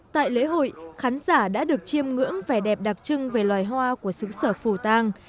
tại lễ hội khán giả đã được chiêm ngưỡng vẻ đẹp đặc trưng về loài hoa của xứ sở phủ tàng